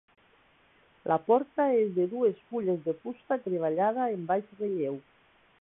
La porta és de dues fulles de fusta treballada en baix relleu.